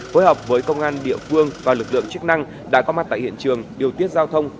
phối hợp với công an địa phương và lực lượng chức năng đã có mặt tại hiện trường điều tiết giao thông